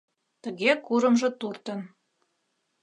Тыге курымжо туртын.